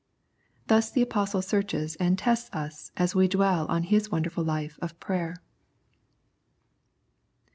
Thus the Apostle searches and tests us as we dwell on his wonderful life of prayer.